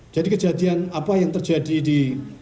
jadi kejadian apa yang terjadi di